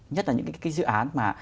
nhất là những cái dự án mà